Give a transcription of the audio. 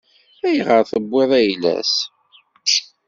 Ayɣer i tewwiḍ ayla-s?